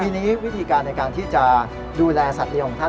ทีนี้วิธีการในการที่จะดูแลสัตว์เลี้ยของท่าน